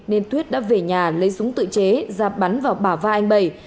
nên tuyết đã về nhà lấy súng tự chế ra bắn vào bảo va anh bẩy